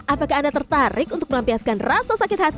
apakah anda tertarik untuk melampiaskan rasa sakit